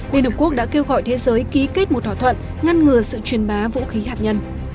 liên hợp quốc đã kêu gọi thế giới ký kết một thỏa thuận ngăn ngừa sự truyền bá vũ khí hạt nhân